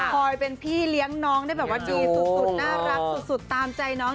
เป็นพี่เลี้ยงน้องได้แบบว่าดีสุดน่ารักสุดตามใจน้อง